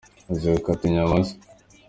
Uzi gukata inyama se?